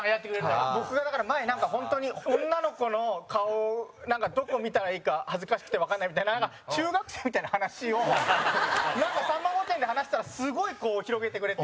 草薙：僕が、前、なんか本当に女の子の顔をどこ見たらいいか恥ずかしくてわからないみたいな、なんか中学生みたいな話を『さんま御殿』で話したらすごい広げてくれて。